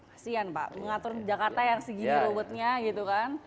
kasian pak mengatur jakarta yang segini robotnya gitu kan